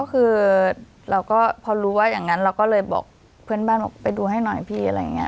คือเราก็พอรู้ว่าอย่างนั้นเราก็เลยบอกเพื่อนบ้านบอกไปดูให้หน่อยพี่อะไรอย่างนี้